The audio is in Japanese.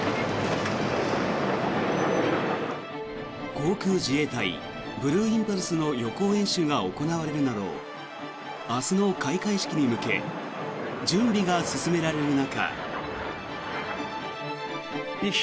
航空自衛隊ブルーインパルスの予行演習が行われるなど明日の開会式に向け準備が進められる中。